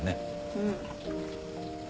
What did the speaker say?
うん。